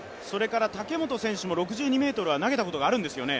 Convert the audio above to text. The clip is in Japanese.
武本選手も６２ｍは投げたことがあるんですよね。